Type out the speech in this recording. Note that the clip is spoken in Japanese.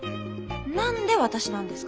何で私なんですか？